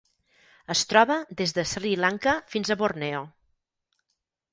Es troba des de Sri Lanka fins a Borneo.